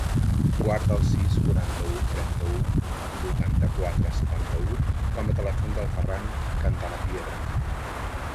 Guarda el sis, quaranta-u, trenta-u, vuitanta-quatre, setanta-u com a telèfon del Ferran Cantalapiedra.